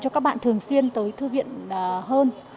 cho các bạn thường xuyên tới thư viện hơn